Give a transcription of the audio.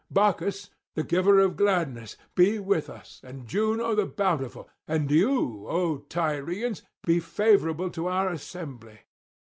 [734 756]Bacchus, the giver of gladness, be with us, and Juno the bountiful; and you, O Tyrians, be favourable to our assembly.'